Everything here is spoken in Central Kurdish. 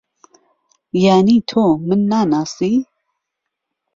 یانی تۆ من ناناسی؟